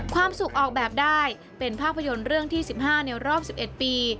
ความสุขออกแบบได้เป็นภาพยนตร์เรื่องที่๑๕ในรอบ๑๑ปี